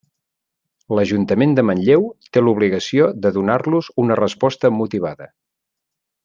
L'Ajuntament de Manlleu té l'obligació de donar-los una resposta motivada.